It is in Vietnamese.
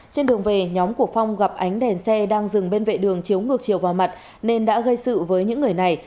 trên đường về nhóm của phong gặp ánh đèn xe đang dừng bên vệ đường chiếu ngược chiều vào mặt nên đã gây sự với những người này